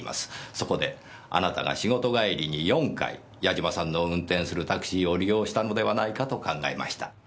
そこであなたが仕事帰りに４回八嶋さんの運転するタクシーを利用したのではないかと考えました。